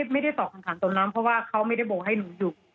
ไม่ได้ตอบคำถามตรงนั้นเพราะว่าเขาไม่ได้โบกให้หนูหยุด